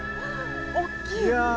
おっきい！